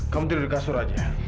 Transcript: kamu tidur di kasur aja